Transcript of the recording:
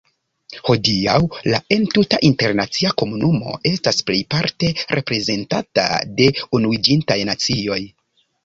Hodiaŭ la entuta internacia komunumo estas plejparte reprezentata de Unuiĝintaj Nacioj.